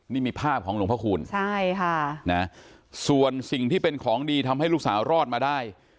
นี่มีภาพของหลวงพระคูณใช่ค่ะนะส่วนสิ่งที่เป็นของดีทำให้ลูกสาวรอดมาได้